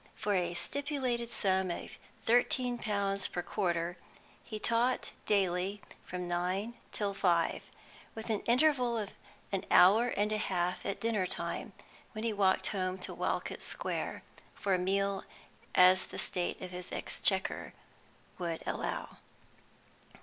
For a stipulated sum of thirteen pounds per quarter he taught daily from nine till five, with an interval of an hour and a half at dinner time, when he walked home to Walcot Square for such meal as the state of his exchequer would allow.